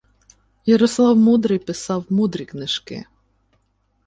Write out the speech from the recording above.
Ярослав Мудрий писав мудрі книжки